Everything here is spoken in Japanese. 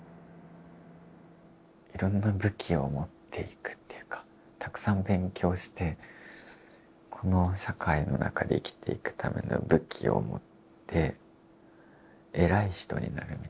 いろんな武器を持っていくっていうかたくさん勉強してこの社会の中で生きていくための武器を持って偉い人になるみたいな。